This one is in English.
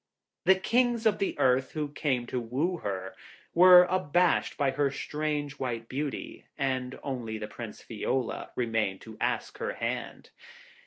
The Kings of the Earth who came to woo her were abashed by her strange white beauty, and only the Prince Fiola remained to ask her hand.